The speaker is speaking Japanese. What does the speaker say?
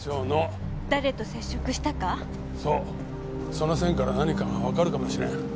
その線から何かがわかるかもしれん。